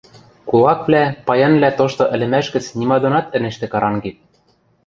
Кулаквлӓ, паянвлӓ тошты ӹлӹмӓш гӹц нима донат ӹнештӹ карангеп.